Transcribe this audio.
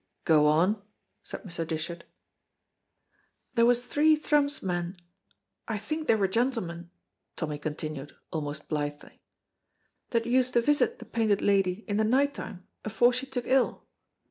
"Go on," said Mr. Dishart. "There was three Thrums men I think they were gentlemen " Tommy continued, almost blithely, "that used to visit the Painted Lady in the night time afore she took ill.